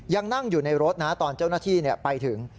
ยังนั่งอยู่ในรถนะตอนเจ้าหน้าที่ไปถึง